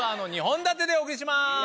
２本立てでお送りします！